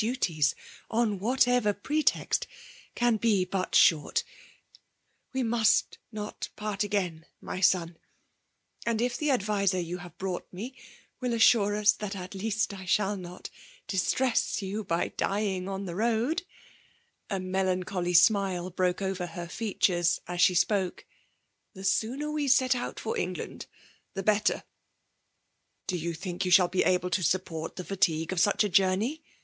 duties, on whatever pretext, can be but short; We must not part again, my son! and if the tfd^riser yott have brought me will assure us that at least 1 shall not distress you by dyin^ on the road,'* (a melancholy smile broke over S40 tiMAVK: iMmnknxnt, Imt Katarnwflhe spoke,) ''tiie sooner we out Ibr England, I3id better.'* " «*Bo you thmk 70a shaft be able to Jup port the Jatigue of such a journey?